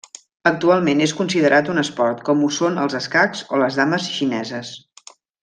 Actualment és considerat un esport, com ho són els escacs o les dames xineses.